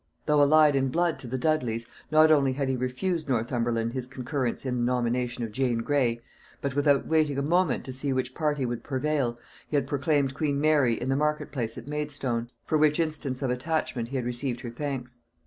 Though allied in blood to the Dudleys, not only had he refused to Northumberland his concurrence in the nomination of Jane Grey, but, without waiting a moment to see which party would prevail, he had proclaimed queen Mary in the market place at Maidstone, for which instance of attachment he had received her thanks.